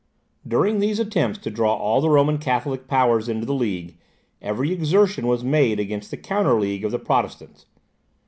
During these attempts to draw all the Roman Catholic powers into the League, every exertion was made against the counter league of the Protestants.